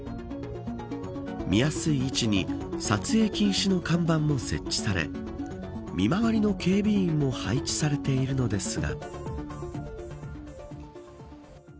見やすい位置に撮影禁止の看板も設置され見回りの警備員も配置されているのですが。